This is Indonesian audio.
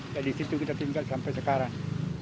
jadi di situ kita tinggal sampai sekarang